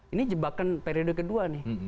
ini jebakan periode ke dua nih